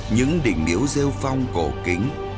những đỉnh miễu rêu phong cổ kính